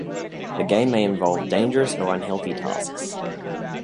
The game may involve dangerous or unhealthy tasks.